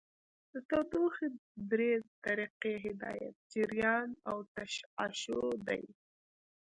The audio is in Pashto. د تودوخې درې طریقې هدایت، جریان او تشعشع دي.